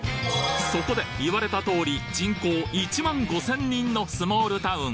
そこで言われた通り人口１万５千人のスモールタウン